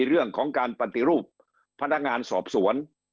เรื่องของการปฏิรูปพนักงานสอบสวน